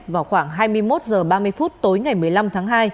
vào khoảng hai mươi một h ba mươi phút tối ngày một mươi năm tháng hai